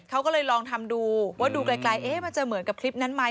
เขาก็เลยลองทำดูว่าดูไกลมันจะเหมือนกับคลิปนั้นไหม